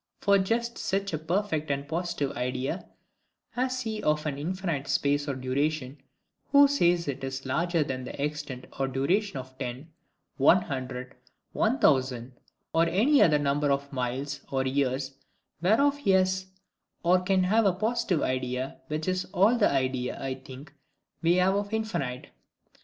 For just such a perfect and positive idea has he of an infinite space or duration, who says it is LARGER THAN the extent or duration of ten, one hundred, one thousand, or any other number of miles, or years, whereof he has or can have a positive idea; which is all the idea, I think, we have of infinite.